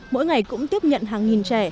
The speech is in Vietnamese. mỗi ngày cũng tiếp nhận hàng nghìn trẻ